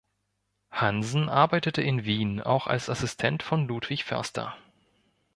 Hansen arbeitete in Wien auch als Assistent von Ludwig Förster.